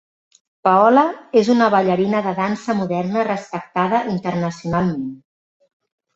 Paola és una ballarina de dansa moderna respectada internacionalment.